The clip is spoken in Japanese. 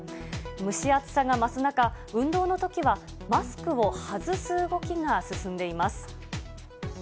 蒸し暑さが増す中、運動のときはマスクを外す動きが進んでいます。